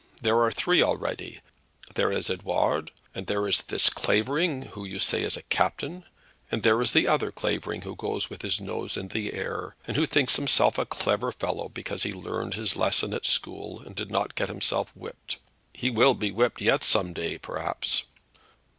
There are three already. There is Edouard, and there is this Clavering who you say is a captain; and there is the other Clavering who goes with his nose in the air, and who think himself a clever fellow because he learned his lesson at school and did not get himself whipped. He will be whipped yet some day, perhaps."